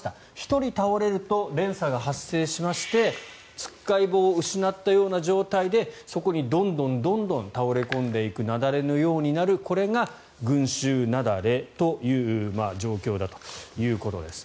１人倒れると連鎖が発生しましてつっかい棒を失った状態でそこにどんどん倒れ込んでいく雪崩のようになるこれが群衆雪崩という状況だということです。